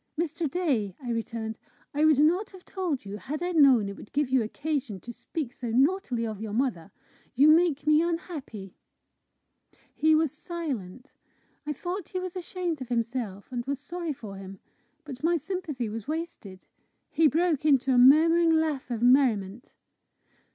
"Mr. Day," I returned, "I would not have told you, had I known it would give you occasion to speak so naughtily of your mother. You make me unhappy." He was silent. I thought he was ashamed of himself, and was sorry for him. But my sympathy was wasted. He broke into a murmuring laugh of merriment.